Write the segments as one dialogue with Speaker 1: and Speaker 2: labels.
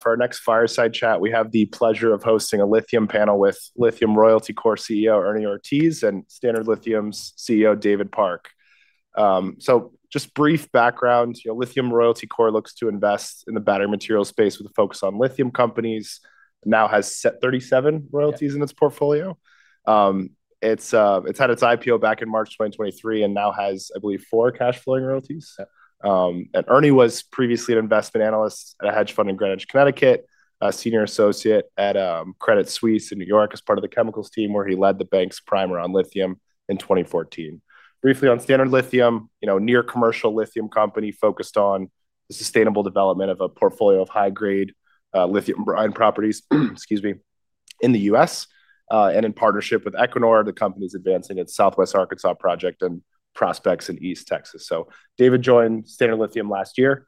Speaker 1: For our next fireside chat, we have the pleasure of hosting a Lithium panel with Lithium Royalty Corp's CEO, Ernie Ortiz, and Standard Lithium's CEO, David Park, so just brief background: Lithium Royalty Corp looks to invest in the battery material space with a focus on lithium companies, and now has 37 royalties in its portfolio. It's had its IPO back in March 2023 and now has, I believe, four cash flowing royalties, and Ernie was previously an investment analyst at a hedge fund in Greenwich, Connecticut, a senior associate at Credit Suisse in New York as part of the chemicals team, where he led the bank's primer on lithium in 2014. Briefly on Standard Lithium, a near-commercial lithium company focused on the sustainable development of a portfolio of high-grade lithium-ion properties in the U.S. and in partnership with Equinor. The company's advancing its Southwest Arkansas project and prospects in East Texas. So David joined Standard Lithium last year.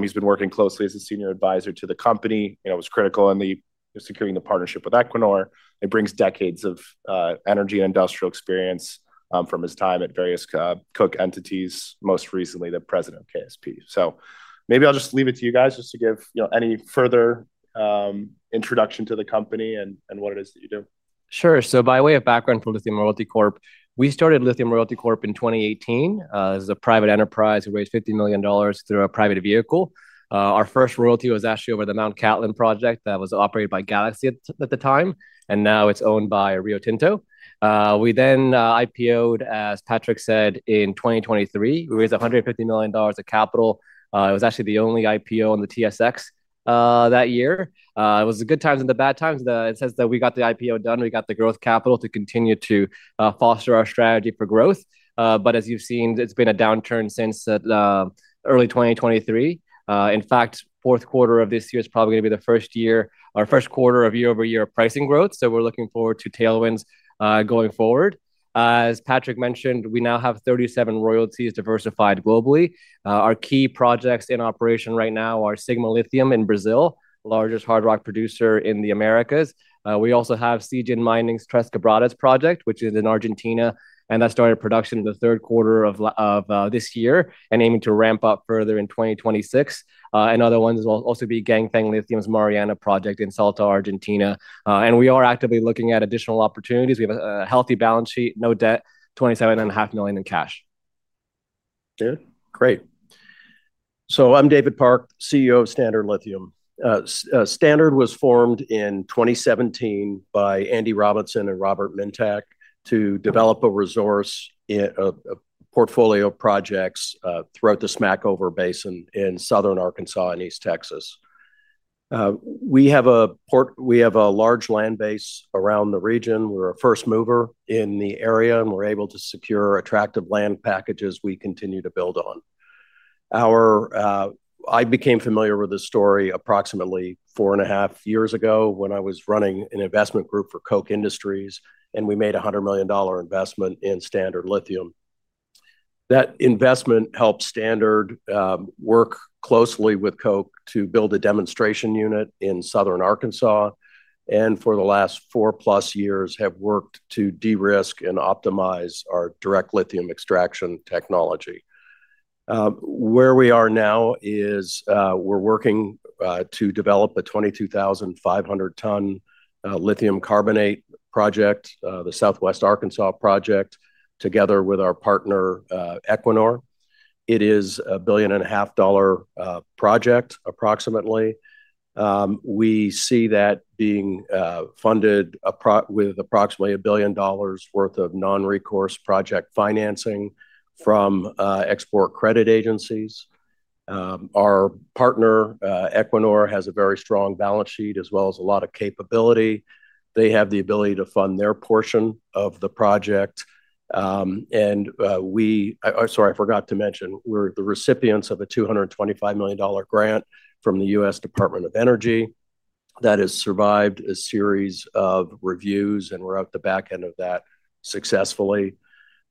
Speaker 1: He's been working closely as a senior advisor to the company. It was critical in securing the partnership with Equinor. It brings decades of energy and industrial experience from his time at various Koch entities, most recently President of KSP. So maybe I'll just leave it to you guys just to give any further introduction to the company and what it is that you do.
Speaker 2: Sure. So by way of background for Lithium Royalty Corp, we started Lithium Royalty Corp in 2018 as a private enterprise who raised $50 million through a private vehicle. Our first royalty was actually over the Mount Catlin project that was operated by Galaxy at the time, and now it's owned by Rio Tinto. We then IPOed, as Patrick said, in 2023. We raised $150 million of capital. It was actually the only IPO on the TSX that year. It was the good times and the bad times. It says that we got the IPO done. We got the growth capital to continue to foster our strategy for growth. But as you've seen, it's been a downturn since early 2023. In fact, fourth quarter of this year is probably going to be the first year or first quarter of year-over-year pricing growth. So we're looking forward to tailwinds going forward. As Patrick mentioned, we now have 37 royalties diversified globally. Our key projects in operation right now are Sigma Lithium in Brazil, the largest hard rock producer in the Americas. We also have Zijin Mining's Tres Quebradas project, which is in Argentina, and that started production in the third quarter of this year and aiming to ramp up further in 2026. Another one will also be Ganfeng Lithium's Mariana project in Salta, Argentina. And we are actively looking at additional opportunities. We have a healthy balance sheet, no debt, $27.5 million in cash.
Speaker 3: Good. Great. So I'm David Park, CEO of Standard Lithium. Standard was formed in 2017 by Andy Robinson and Robert Mintak to develop a resource portfolio of projects throughout the Smackover Basin in southern Arkansas and East Texas. We have a large land base around the region. We're a first mover in the area, and we're able to secure attractive land packages we continue to build on. I became familiar with this story approximately four and a half years ago when I was running an investment group for Koch Industries, and we made a $100 million investment in Standard Lithium. That investment helped Standard work closely with Koch to build a demonstration unit in southern Arkansas, and for the last four plus years have worked to de-risk and optimize our direct lithium extraction technology. Where we are now is we're working to develop a 22,500-ton lithium carbonate project, the Southwest Arkansas project, together with our partner Equinor. It is a $1.5 billion project, approximately. We see that being funded with approximately $1 billion worth of non-recourse project financing from export credit agencies. Our partner, Equinor, has a very strong balance sheet as well as a lot of capability. They have the ability to fund their portion of the project. And we, sorry, I forgot to mention, we're the recipients of a $225 million grant from the U.S. Department of Energy that has survived a series of reviews, and we're at the back end of that successfully.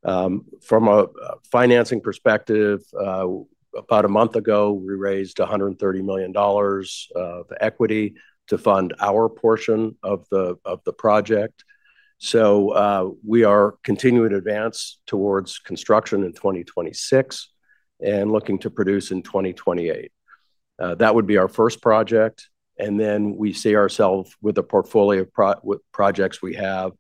Speaker 3: From a financing perspective, about a month ago, we raised $130 million of equity to fund our portion of the project. We are continuing to advance towards construction in 2026 and looking to produce in 2028. That would be our first project. And then we see ourselves with the portfolio projects we have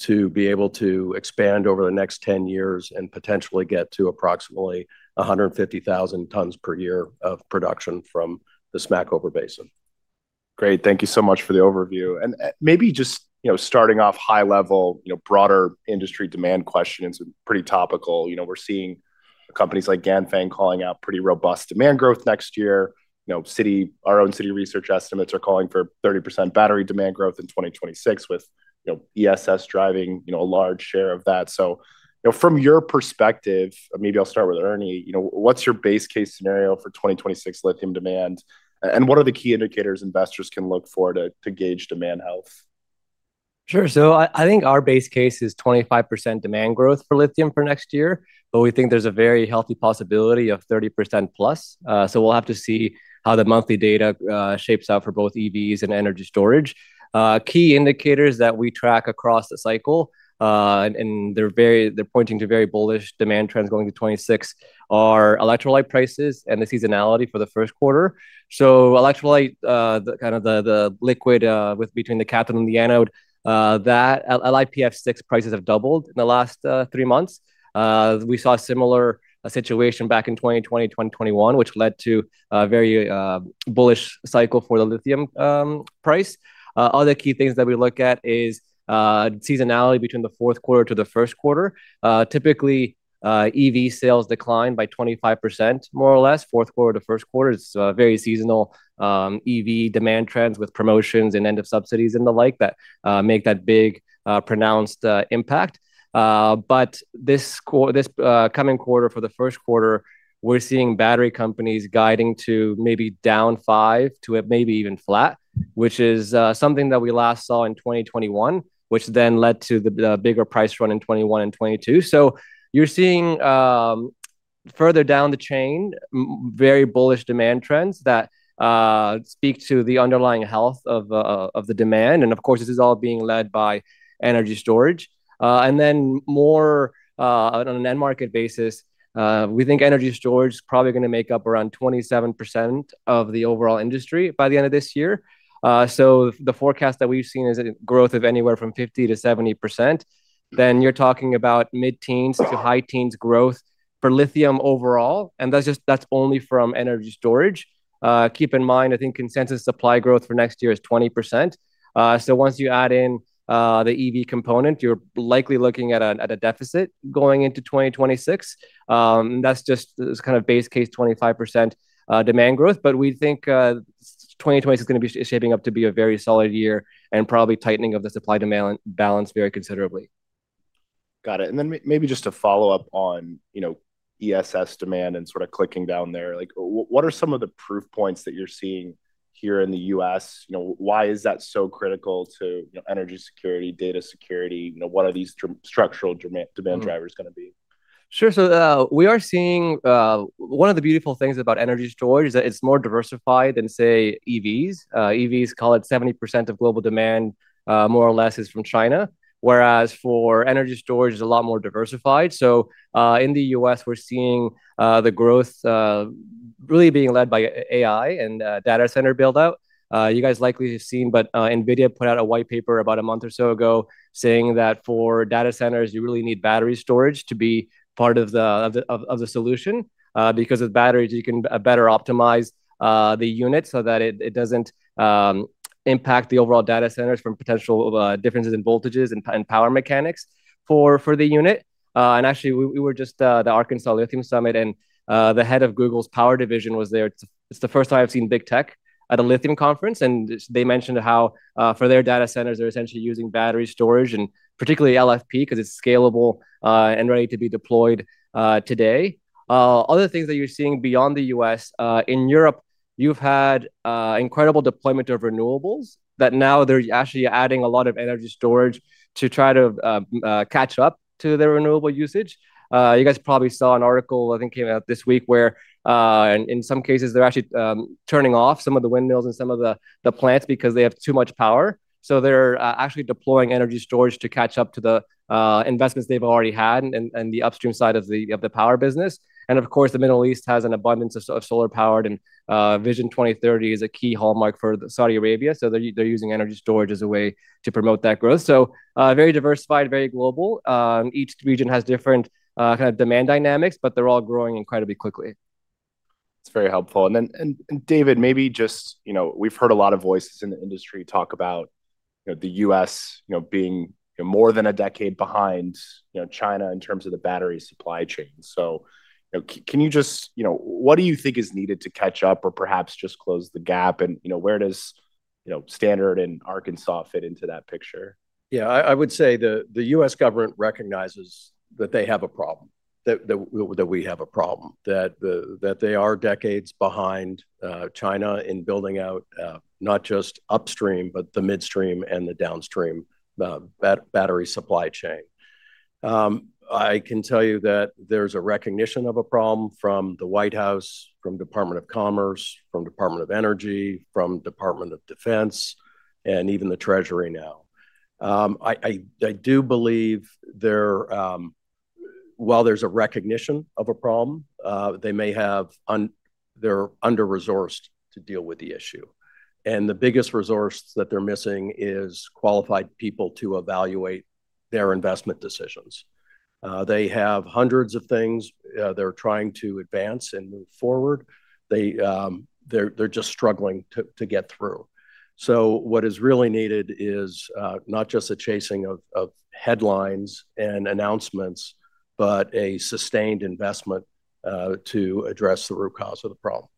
Speaker 3: to be able to expand over the next 10 years and potentially get to approximately 150,000 tons per year of production from the Smackover Basin.
Speaker 1: Great. Thank you so much for the overview. And maybe just starting off high level, broader industry demand questions, pretty topical. We're seeing companies like Ganfeng calling out pretty robust demand growth next year. Our own Citi research estimates are calling for 30% battery demand growth in 2026 with ESS driving a large share of that. So from your perspective, maybe I'll start with Ernie. What's your base case scenario for 2026 lithium demand, and what are the key indicators investors can look for to gauge demand health?
Speaker 2: Sure. So I think our base case is 25% demand growth for lithium for next year, but we think there's a very healthy possibility of 30% plus. So we'll have to see how the monthly data shapes out for both EVs and energy storage. Key indicators that we track across the cycle, and they're pointing to very bullish demand trends going to 2026, are electrolyte prices and the seasonality for the first quarter. So electrolyte, kind of the liquid between the cathode and the anode, that LiPF6 prices have doubled in the last three months. We saw a similar situation back in 2020, 2021, which led to a very bullish cycle for the lithium price. Other key things that we look at is seasonality between the fourth quarter to the first quarter. Typically, EV sales decline by 25%, more or less. Fourth quarter to first quarter is very seasonal EV demand trends with promotions and end-of-subsidies and the like that make that big pronounced impact. But this coming quarter for the first quarter, we're seeing battery companies guiding to maybe down five to maybe even flat, which is something that we last saw in 2021, which then led to the bigger price run in 2021 and 2022. So you're seeing further down the chain, very bullish demand trends that speak to the underlying health of the demand. And of course, this is all being led by energy storage. And then more on an end-market basis, we think energy storage is probably going to make up around 27% of the overall industry by the end of this year. So the forecast that we've seen is a growth of anywhere from 50%-70%. Then you're talking about mid-teens to high-teens growth for lithium overall, and that's only from energy storage. Keep in mind, I think consensus supply growth for next year is 20%. So once you add in the EV component, you're likely looking at a deficit going into 2026. That's just kind of base case 25% demand growth. But we think 2026 is going to be shaping up to be a very solid year and probably tightening of the supply balance very considerably.
Speaker 1: Got it. And then maybe just to follow up on ESS demand and sort of clicking down there, what are some of the proof points that you're seeing here in the U.S.? Why is that so critical to energy security, data security? What are these structural demand drivers going to be?
Speaker 2: Sure. So we are seeing one of the beautiful things about energy storage is that it's more diversified than, say, EVs. EVs, call it 70% of global demand, more or less, is from China, whereas for energy storage, it's a lot more diversified. So in the U.S., we're seeing the growth really being led by AI and data center build-out. You guys likely have seen, but NVIDIA put out a white paper about a month or so ago saying that for data centers, you really need battery storage to be part of the solution because with batteries, you can better optimize the unit so that it doesn't impact the overall data centers from potential differences in voltages and power mechanics for the unit. And actually, we were just at the Arkansas Lithium Summit, and the head of Google's power division was there. It's the first time I've seen big tech at a lithium conference, and they mentioned how for their data centers, they're essentially using battery storage and particularly LFP because it's scalable and ready to be deployed today. Other things that you're seeing beyond the U.S., in Europe, you've had incredible deployment of renewables that now they're actually adding a lot of energy storage to try to catch up to their renewable usage. You guys probably saw an article, I think, came out this week where in some cases, they're actually turning off some of the windmills and some of the plants because they have too much power. So they're actually deploying energy storage to catch up to the investments they've already had and the upstream side of the power business. Of course, the Middle East has an abundance of solar power, and Vision 2030 is a key hallmark for Saudi Arabia. They're using energy storage as a way to promote that growth. Very diversified, very global. Each region has different kind of demand dynamics, but they're all growing incredibly quickly.
Speaker 1: That's very helpful. And then David, maybe just we've heard a lot of voices in the industry talk about the U.S. being more than a decade behind China in terms of the battery supply chain. So can you just what do you think is needed to catch up or perhaps just close the gap? And where does Standard and Arkansas fit into that picture?
Speaker 3: Yeah, I would say the U.S. government recognizes that they have a problem, that we have a problem, that they are decades behind China in building out not just upstream, but the midstream and the downstream battery supply chain. I can tell you that there's a recognition of a problem from the White House, from the Department of Commerce, from the Department of Energy, from the Department of Defense, and even the Treasury now. I do believe while there's a recognition of a problem, they may have, they're under-resourced to deal with the issue. And the biggest resource that they're missing is qualified people to evaluate their investment decisions. They have hundreds of things they're trying to advance and move forward. They're just struggling to get through. So what is really needed is not just a chasing of headlines and announcements, but a sustained investment to address the root cause of the problem.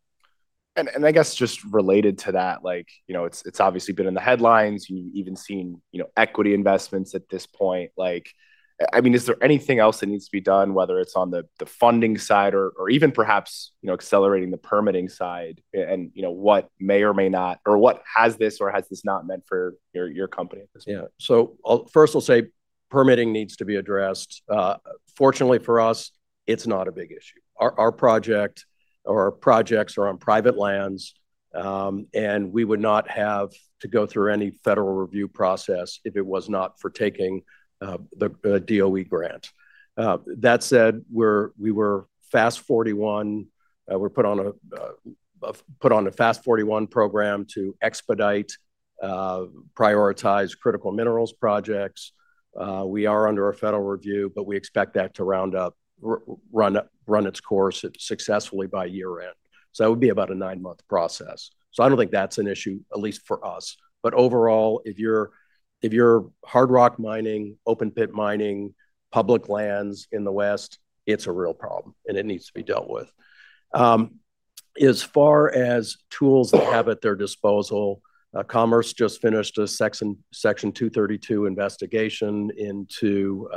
Speaker 1: I guess just related to that, it's obviously been in the headlines. You've even seen equity investments at this point. I mean, is there anything else that needs to be done, whether it's on the funding side or even perhaps accelerating the permitting side and what may or may not or what has this or has this not meant for your company?
Speaker 3: Yeah. So first, I'll say permitting needs to be addressed. Fortunately for us, it's not a big issue. Our project or our projects are on private lands, and we would not have to go through any federal review process if it was not for taking the DOE grant. That said, we were FAST-41. We were put on a FAST-41 program to expedite, prioritize critical minerals projects. We are under a federal review, but we expect that to round up, run its course successfully by year end. So that would be about a nine-month process. So I don't think that's an issue, at least for us. But overall, if you're hard rock mining, open pit mining, public lands in the West, it's a real problem, and it needs to be dealt with. As far as tools they have at their disposal, Commerce just finished a Section 232 investigation into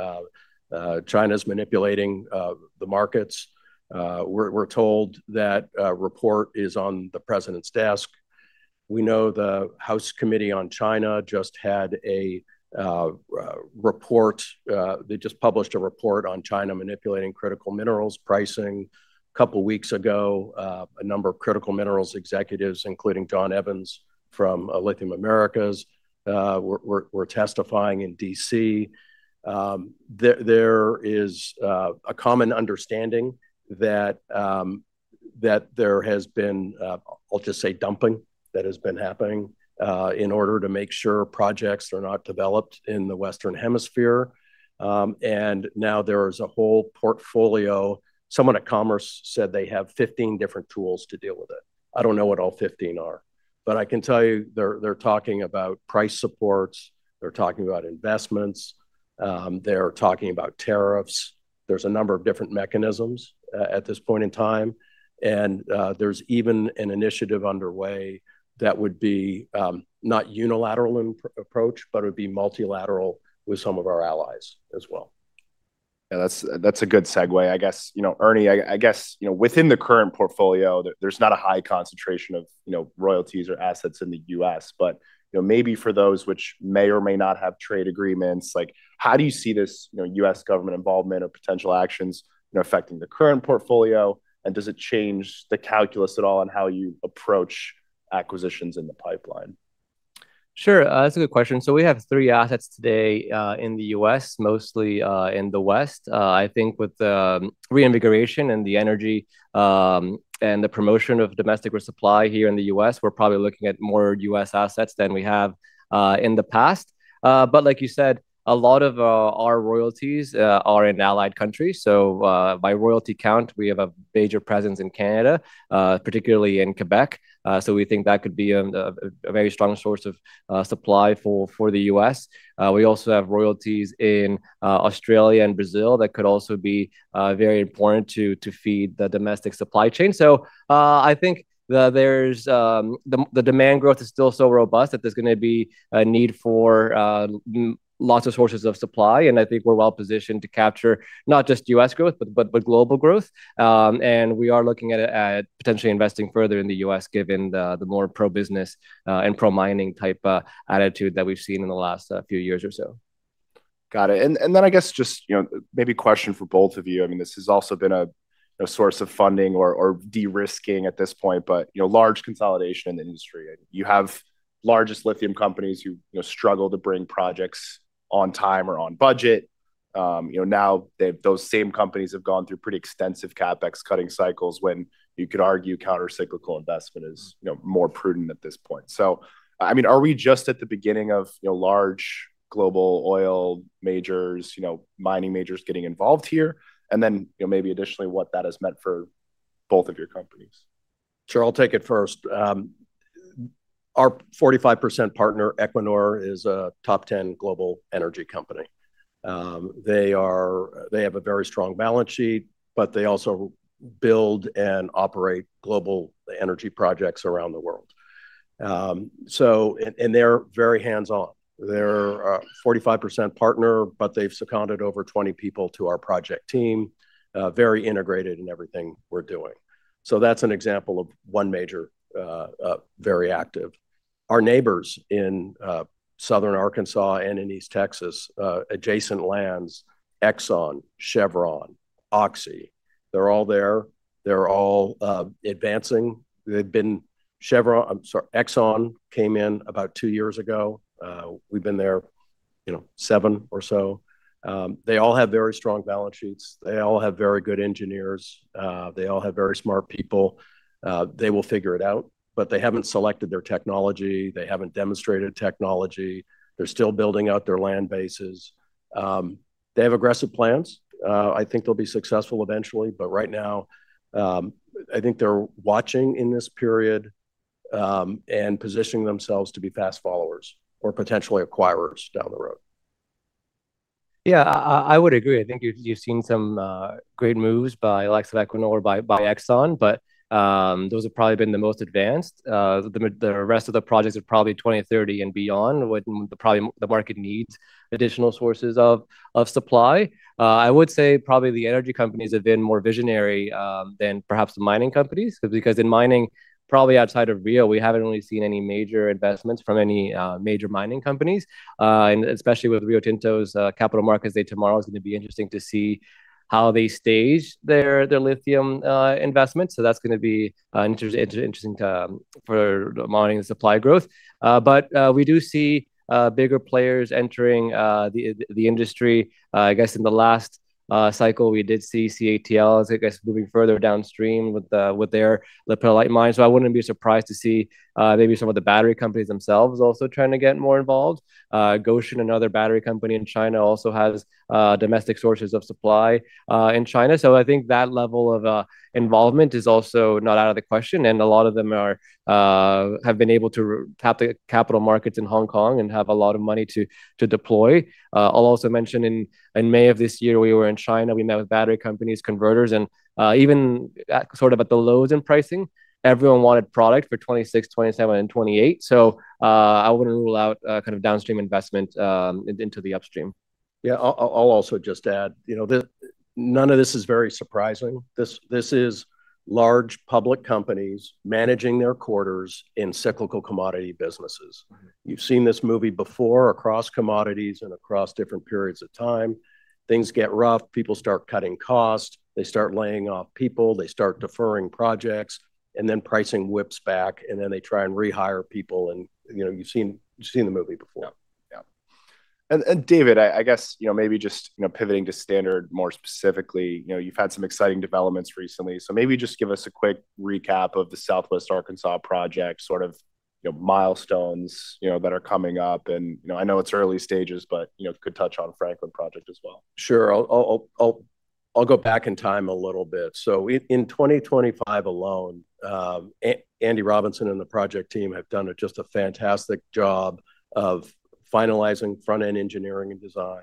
Speaker 3: China's manipulating the markets. We're told that a report is on the president's desk. We know the House Committee on China just had a report. They just published a report on China manipulating critical minerals pricing a couple of weeks ago. A number of critical minerals executives, including Jon Evans from Lithium Americas, were testifying in DC. There is a common understanding that there has been, I'll just say, dumping that has been happening in order to make sure projects are not developed in the Western Hemisphere. And now there is a whole portfolio. Someone at Commerce said they have 15 different tools to deal with it. I don't know what all 15 are, but I can tell you they're talking about price supports. They're talking about investments. They're talking about tariffs. There's a number of different mechanisms at this point in time, and there's even an initiative underway that would be not a unilateral approach, but it would be multilateral with some of our allies as well.
Speaker 1: Yeah, that's a good segue. I guess, Ernie, I guess within the current portfolio, there's not a high concentration of royalties or assets in the U.S., but maybe for those which may or may not have trade agreements, how do you see this U.S. government involvement or potential actions affecting the current portfolio? And does it change the calculus at all on how you approach acquisitions in the pipeline?
Speaker 2: Sure. That's a good question, so we have three assets today in the U.S., mostly in the West. I think with the reinvigoration and the energy and the promotion of domestic resupply here in the U.S., we're probably looking at more U.S. assets than we have in the past, but like you said, a lot of our royalties are in allied countries, so by royalty count, we have a major presence in Canada, particularly in Quebec, so we think that could be a very strong source of supply for the U.S. We also have royalties in Australia and Brazil that could also be very important to feed the domestic supply chain, so I think the demand growth is still so robust that there's going to be a need for lots of sources of supply, and I think we're well positioned to capture not just U.S. growth, but global growth. We are looking at potentially investing further in the U.S. given the more pro-business and pro-mining type attitude that we've seen in the last few years or so.
Speaker 1: Got it. And then I guess just maybe a question for both of you. I mean, this has also been a source of funding or de-risking at this point, but large consolidation in the industry. You have the largest lithium companies who struggle to bring projects on time or on budget. Now those same companies have gone through pretty extensive CapEx cutting cycles when you could argue countercyclical investment is more prudent at this point. So I mean, are we just at the beginning of large global oil majors, mining majors getting involved here? And then maybe additionally what that has meant for both of your companies.
Speaker 3: Sure. I'll take it first. Our 45% partner, Equinor, is a top 10 global energy company. They have a very strong balance sheet, but they also build and operate global energy projects around the world, and they're very hands-on. They're a 45% partner, but they've seconded over 20 people to our project team, very integrated in everything we're doing, so that's an example of one major, very active. Our neighbors in Southern Arkansas and in East Texas, adjacent lands, Exxon, Chevron, Oxy, they're all there. They're all advancing. Exxon came in about two years ago. We've been there seven or so. They all have very strong balance sheets. They all have very good engineers. They all have very smart people. They will figure it out, but they haven't selected their technology. They haven't demonstrated technology. They're still building out their land bases. They have aggressive plans. I think they'll be successful eventually. But right now, I think they're watching in this period and positioning themselves to be fast followers or potentially acquirers down the road.
Speaker 2: Yeah, I would agree. I think you've seen some great moves by likes of Equinor or by Exxon, but those have probably been the most advanced. The rest of the projects are probably 2030 and beyond when the market needs additional sources of supply. I would say probably the energy companies have been more visionary than perhaps the mining companies because in mining, probably outside of Rio, we haven't really seen any major investments from any major mining companies. And especially with Rio Tinto's capital markets, I think tomorrow is going to be interesting to see how they stage their lithium investments. So that's going to be interesting for monitoring the supply growth. But we do see bigger players entering the industry. I guess in the last cycle, we did see CATL, I guess, moving further downstream with their lithium Ganfeng mines. I wouldn't be surprised to see maybe some of the battery companies themselves also trying to get more involved. Gotion High-Tech, another battery company in China, also has domestic sources of supply in China. I think that level of involvement is also not out of the question. And a lot of them have been able to tap the capital markets in Hong Kong and have a lot of money to deploy. I'll also mention in May of this year, we were in China. We met with battery companies, converters, and even sort of at the lows in pricing, everyone wanted product for 2026, 2027, and 2028. I wouldn't rule out kind of downstream investment into the upstream.
Speaker 3: Yeah, I'll also just add, none of this is very surprising. This is large public companies managing their quarters in cyclical commodity businesses. You've seen this movie before across commodities and across different periods of time. Things get rough. People start cutting costs. They start laying off people. They start deferring projects. And then pricing whips back, and then they try and rehire people. And you've seen the movie before.
Speaker 1: Yeah. And David, I guess maybe just pivoting to Standard more specifically, you've had some exciting developments recently. So maybe just give us a quick recap of the Southwest Arkansas Project, sort of milestones that are coming up. And I know it's early stages, but could touch on the Franklin Project as well.
Speaker 3: Sure. I'll go back in time a little bit. So in 2025 alone, Andy Robinson and the project team have done just a fantastic job of finalizing front-end engineering and design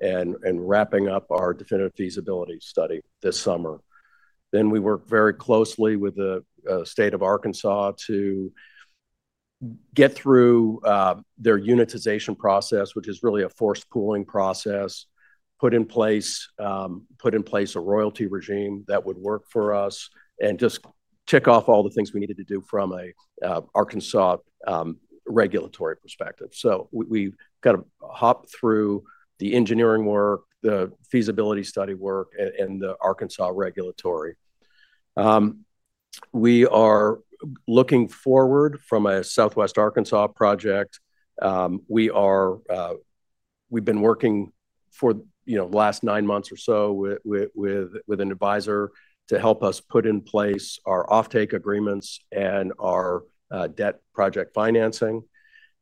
Speaker 3: and wrapping up our definitive feasibility study this summer. Then we worked very closely with the state of Arkansas to get through their unitization process, which is really a force pooling process, put in place a royalty regime that would work for us, and just tick off all the things we needed to do from an Arkansas regulatory perspective. So we kind of hopped through the engineering work, the feasibility study work, and the Arkansas regulatory. We are looking forward from a Southwest Arkansas Project. We've been working for the last nine months or so with an advisor to help us put in place our offtake agreements and our debt project financing.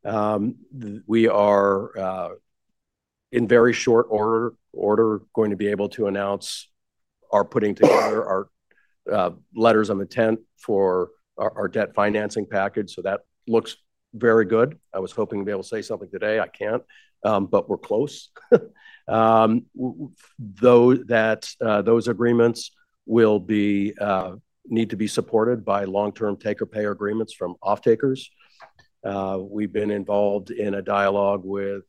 Speaker 3: We are, in very short order, going to be able to announce our putting together our letters of intent for our debt financing package. So that looks very good. I was hoping to be able to say something today. I can't, but we're close. Those agreements will need to be supported by long-term take-or-pay agreements from offtakers. We've been involved in a dialogue with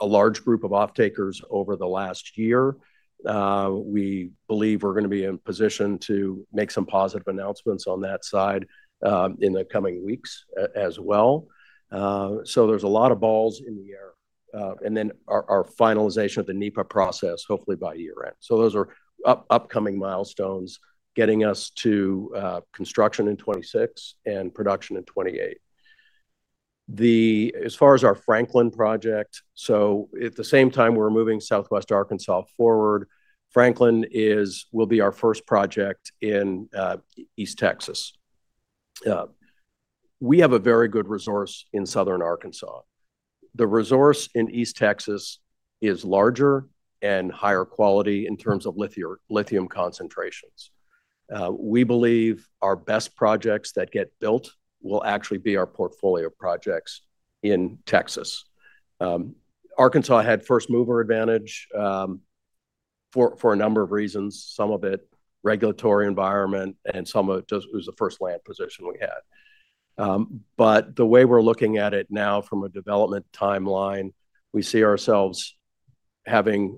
Speaker 3: a large group of offtakers over the last year. We believe we're going to be in position to make some positive announcements on that side in the coming weeks as well. So there's a lot of balls in the air. And then our finalization of the NEPA process, hopefully by year end. So those are upcoming milestones getting us to construction in 2026 and production in 2028. As far as our Franklin project, so at the same time we're moving Southwest Arkansas forward, Franklin will be our first project in East Texas. We have a very good resource in southern Arkansas. The resource in East Texas is larger and higher quality in terms of lithium concentrations. We believe our best projects that get built will actually be our portfolio projects in Texas. Arkansas had first mover advantage for a number of reasons, some of it regulatory environment and some of it was the first land position we had, but the way we're looking at it now from a development timeline, we see ourselves having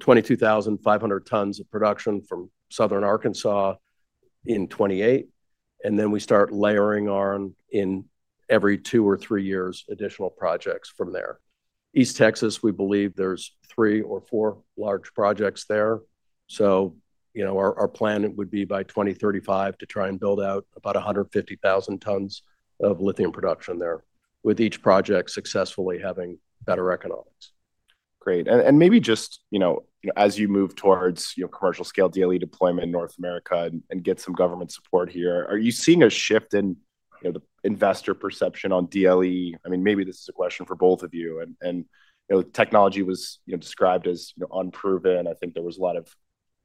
Speaker 3: 22,500 tons of production from southern Arkansas in 2028, and then we start layering on in every two or three years additional projects from there. East Texas, we believe there's three or four large projects there. So our plan would be by 2035 to try and build out about 150,000 tons of lithium production there with each project successfully having better economics.
Speaker 1: Great. And maybe just as you move towards commercial scale DLE deployment in North America and get some government support here, are you seeing a shift in the investor perception on DLE? I mean, maybe this is a question for both of you. And technology was described as unproven. I think there was a lot of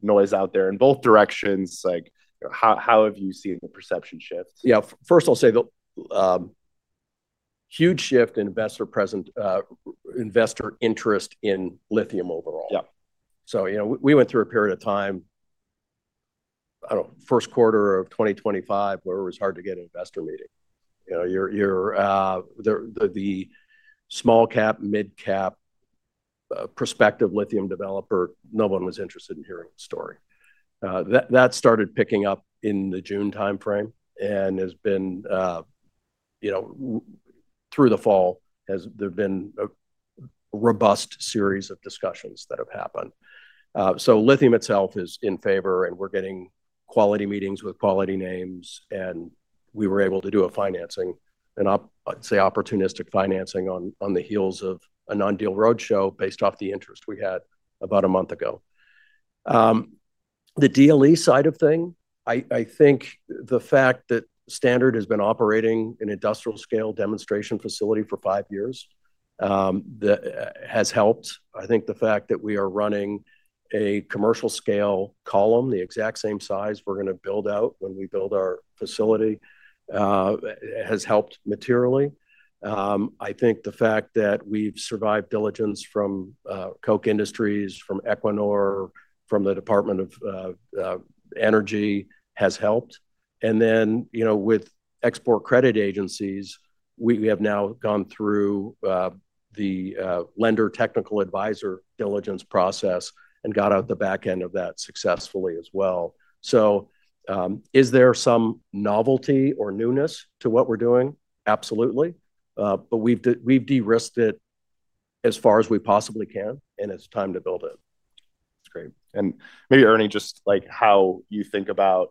Speaker 1: noise out there in both directions. How have you seen the perception shift?
Speaker 3: Yeah. First, I'll say huge shift in investor interest in lithium overall. So we went through a period of time, I don't know, first quarter of 2025 where it was hard to get an investor meeting. The small cap, mid cap, prospective lithium developer, no one was interested in hearing the story. That started picking up in the June timeframe and has been through the fall, has there been a robust series of discussions that have happened. So lithium itself is in favor and we're getting quality meetings with quality names. And we were able to do a financing, I'd say opportunistic financing on the heels of a non-deal roadshow based off the interest we had about a month ago. The DLE side of thing, I think the fact that Standard has been operating an industrial scale demonstration facility for five years has helped. I think the fact that we are running a commercial scale column, the exact same size we're going to build out when we build our facility, has helped materially. I think the fact that we've survived diligence from Koch Industries, from Equinor, from the Department of Energy has helped. And then with export credit agencies, we have now gone through the lender technical advisor diligence process and got out the back end of that successfully as well. So is there some novelty or newness to what we're doing? Absolutely. But we've de-risked it as far as we possibly can and it's time to build it.
Speaker 1: That's great. And maybe Ernie, just how you think about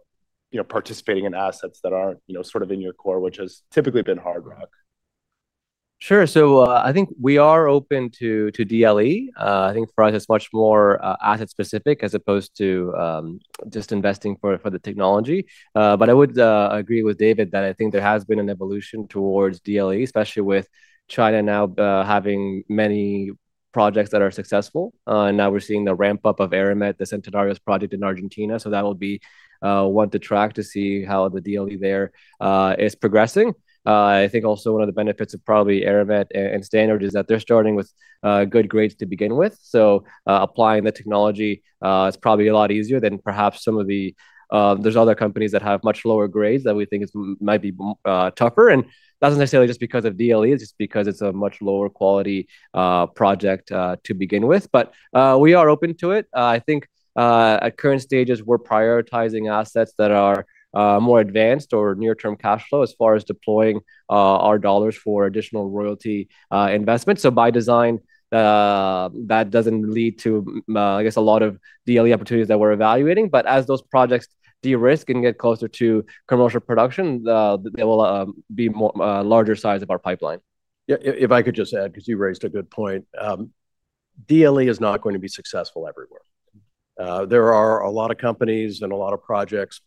Speaker 1: participating in assets that aren't sort of in your core, which has typically been hard rock?
Speaker 2: Sure. So I think we are open to DLE. I think for us it's much more asset specific as opposed to just investing for the technology. But I would agree with David that I think there has been an evolution towards DLE, especially with China now having many projects that are successful. And now we're seeing the ramp up of Eramet, the Centenario project in Argentina. So that will be one to track to see how the DLE there is progressing. I think also one of the benefits of probably Eramet and Standard is that they're starting with good grades to begin with. So applying the technology is probably a lot easier than perhaps some of the other companies that have much lower grades that we think might be tougher. And that's not necessarily just because of DLE, it's just because it's a much lower quality project to begin with. But we are open to it. I think at current stages, we're prioritizing assets that are more advanced or near-term cash flow as far as deploying our dollars for additional royalty investment. So by design, that doesn't lead to, I guess, a lot of DLE opportunities that we're evaluating. But as those projects de-risk and get closer to commercial production, there will be a larger size of our pipeline.
Speaker 3: If I could just add, because you raised a good point, DLE is not going to be successful everywhere. There are a lot of companies and a lot of projects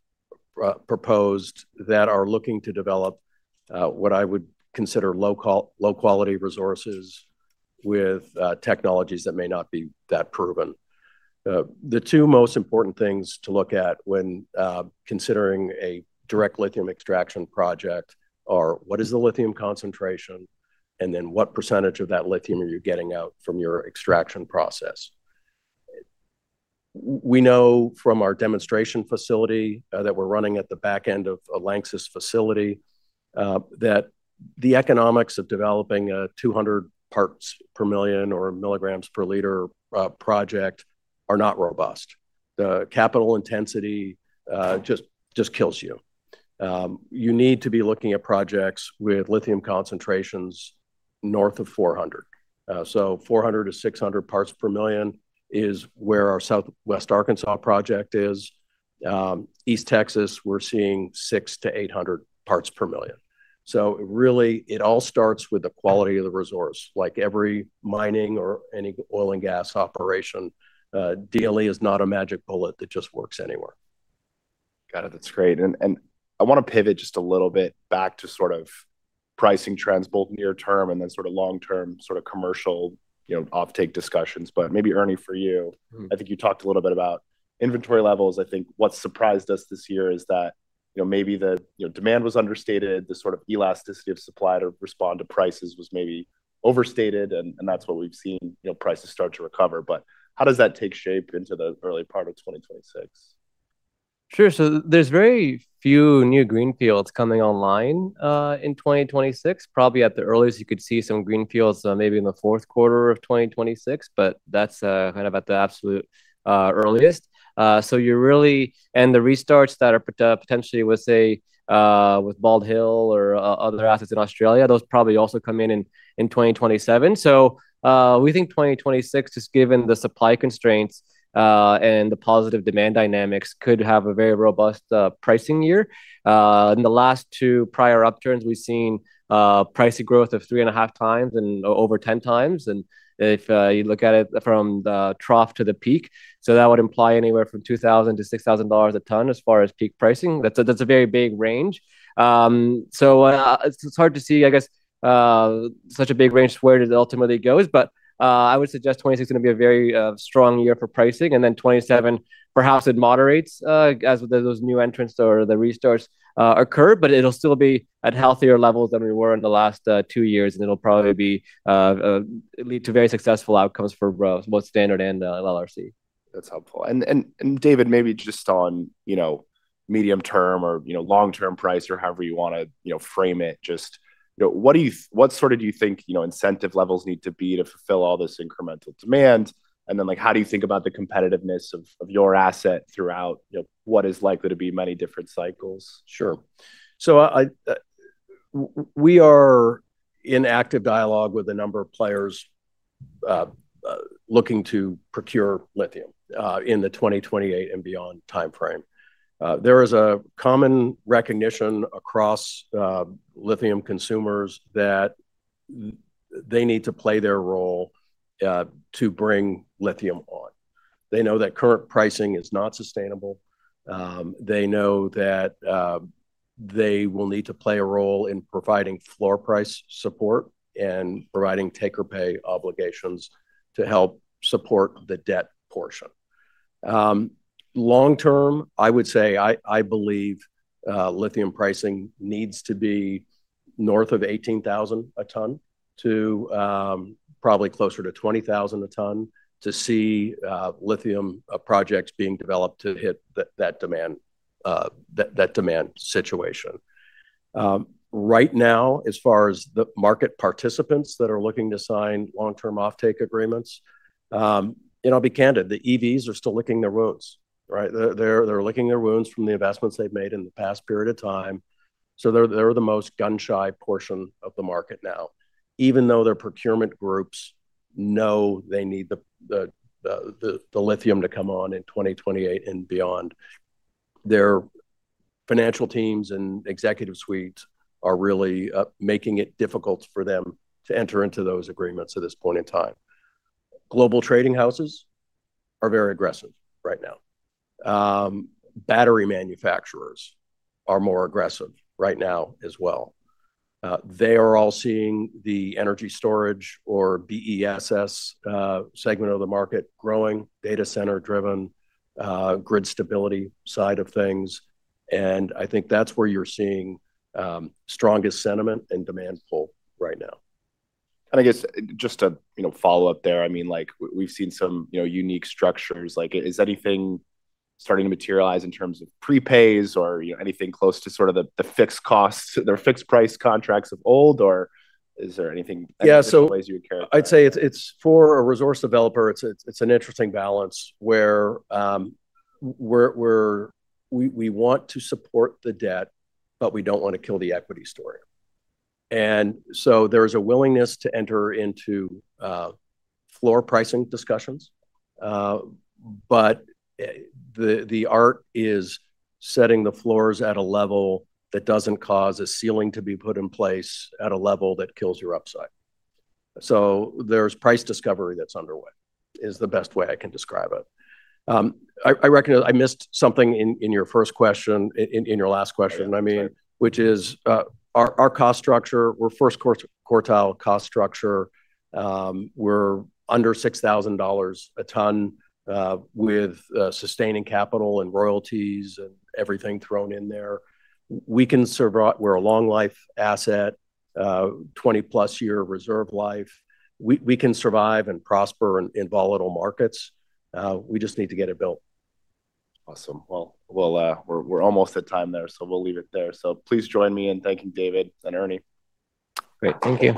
Speaker 3: proposed that are looking to develop what I would consider low-quality resources with technologies that may not be that proven. The two most important things to look at when considering a direct lithium extraction project are what is the lithium concentration and then what percentage of that lithium are you getting out from your extraction process. We know from our demonstration facility that we're running at the back end of a LANXESS facility that the economics of developing a 200 parts per million or milligrams per liter project are not robust. The capital intensity just kills you. You need to be looking at projects with lithium concentrations north of 400. So 400-600 parts per million is where our Southwest Arkansas Project is. East Texas, we're seeing 600-800 parts per million. So really, it all starts with the quality of the resource. Like every mining or any oil and gas operation, DLE is not a magic bullet that just works anywhere.
Speaker 1: Got it. That's great. And I want to pivot just a little bit back to sort of pricing trends, both near-term and then sort of long-term sort of commercial offtake discussions. But maybe Ernie, for you, I think you talked a little bit about inventory levels. I think what surprised us this year is that maybe the demand was understated. The sort of elasticity of supply to respond to prices was maybe overstated. And that's what we've seen prices start to recover. But how does that take shape into the early part of 2026?
Speaker 2: Sure. So there's very few new greenfields coming online in 2026. Probably at the earliest, you could see some greenfields maybe in the fourth quarter of 2026, but that's kind of at the absolute earliest. So you really and the restarts that are potentially with, say, with Bald Hill or other assets in Australia, those probably also come in in 2027. So we think 2026, just given the supply constraints and the positive demand dynamics, could have a very robust pricing year. In the last two prior upturns, we've seen price growth of three and a half times and over 10 times. And if you look at it from the trough to the peak, so that would imply anywhere from $2,000-$6,000 a ton as far as peak pricing. That's a very big range. So it's hard to see, I guess, such a big range where it ultimately goes. But I would suggest 2026 is going to be a very strong year for pricing. And then 2027, perhaps it moderates as those new entrants or the restarts occur, but it'll still be at healthier levels than we were in the last two years. And it'll probably lead to very successful outcomes for both Standard and LLRC.
Speaker 1: That's helpful. And David, maybe just on medium term or long-term price or however you want to frame it, just what sort of do you think incentive levels need to be to fulfill all this incremental demand? And then how do you think about the competitiveness of your asset throughout what is likely to be many different cycles?
Speaker 3: Sure. So we are in active dialogue with a number of players looking to procure lithium in the 2028 and beyond timeframe. There is a common recognition across lithium consumers that they need to play their role to bring lithium on. They know that current pricing is not sustainable. They know that they will need to play a role in providing floor price support and providing take-or-pay obligations to help support the debt portion. Long-term, I would say I believe lithium pricing needs to be north of $18,000 a ton to probably closer to $20,000 a ton to see lithium projects being developed to hit that demand situation. Right now, as far as the market participants that are looking to sign long-term offtake agreements, and I'll be candid, the EVs are still licking their wounds. They're licking their wounds from the investments they've made in the past period of time. So they're the most gun-shy portion of the market now. Even though their procurement groups know they need the lithium to come on in 2028 and beyond, their financial teams and executive suites are really making it difficult for them to enter into those agreements at this point in time. Global trading houses are very aggressive right now. Battery manufacturers are more aggressive right now as well. They are all seeing the energy storage or BESS segment of the market growing, data center-driven, grid stability side of things. And I think that's where you're seeing strongest sentiment and demand pull right now.
Speaker 1: I guess just to follow up there, I mean, we've seen some unique structures. Is anything starting to materialize in terms of prepays or anything close to sort of the fixed costs, their fixed price contracts of old, or is there anything in places you would care?
Speaker 3: Yeah. So I'd say it's for a resource developer. It's an interesting balance where we want to support the debt, but we don't want to kill the equity story. And so there is a willingness to enter into floor pricing discussions. But the art is setting the floors at a level that doesn't cause a ceiling to be put in place at a level that kills your upside. So there's price discovery that's underway is the best way I can describe it. I missed something in your first question, in your last question, I mean, which is our cost structure. We're first quartile cost structure. We're under $6,000 a ton with sustaining capital and royalties and everything thrown in there. We can survive. We're a long-life asset, 20-plus year reserve life. We can survive and prosper in volatile markets. We just need to get it built.
Speaker 1: Awesome. Well, we're almost at time there, so we'll leave it there. So please join me in thanking David and Ernie.
Speaker 3: Great. Thank you.